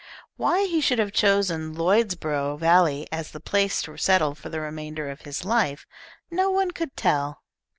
Why he should have chosen Lloydsborough Valley as the place to settle for the remainder of his life, no one could tell.